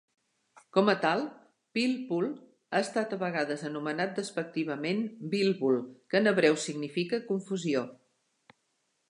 Com a tal, "pilpul" ha estat a vegades anomenat despectivament "bilbul", que en hebreu significa "confusió".